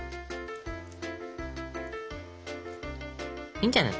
いいんじゃない？